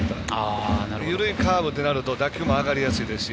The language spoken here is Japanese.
緩いカーブとなると打球も上がりやすいですし